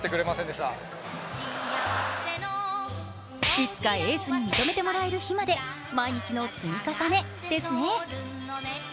いつかエースに認めてもらえる日まで毎日の積み重ねですね。